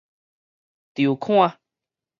籌款